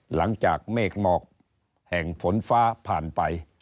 หลังจากเมฆมอกแห่งฝนฟ้าผ่านไป